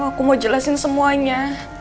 aku mau jelasin semuanya